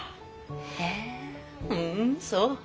へえふんそう。